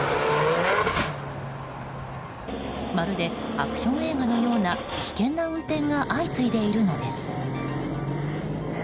まるでアクション映画のような危険な運転が相次いでいるのです。